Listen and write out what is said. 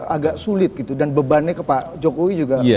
agak sulit gitu dan bebannya ke pak jokowi juga